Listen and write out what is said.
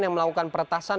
yang melakukan peretasan